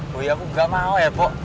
woy aku gak mau ya pok